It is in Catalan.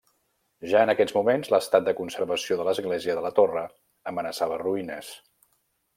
Ja en aquests moments l'estat de conservació de l'església de la torre amenaçava ruïnes.